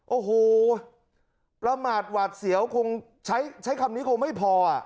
โอ้โหประมาทหวาดเสียวคงใช้คำนี้คงไม่พอ